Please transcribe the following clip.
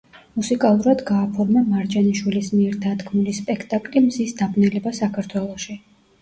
მუსიკალურად გააფორმა მარჯანიშვილის მიერ დადგმული სპექტაკლი „მზის დაბნელება საქართველოში“.